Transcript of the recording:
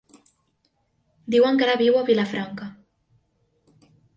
Diuen que ara viu a Vilafranca.